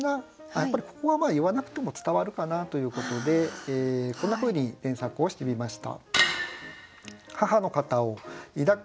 やっぱりここは言わなくても伝わるかなということでこんなふうに添削をしてみました。